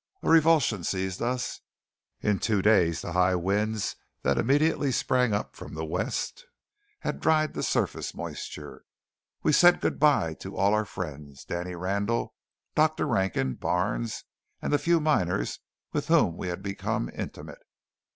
A revulsion seized us. In two days the high winds that immediately sprang up from the west had dried the surface moisture. We said good bye to all our friends Danny Randall, Dr. Rankin, Barnes, and the few miners with whom we had become intimate.